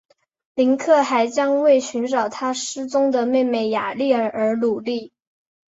林克还将为寻找他失踪的妹妹雅丽儿而努力。